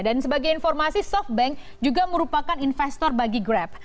dan sebagai informasi softbank juga merupakan investor bagi grab